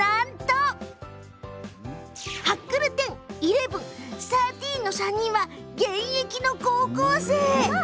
はっくる１０、１１、１３の３人は現役の高校生。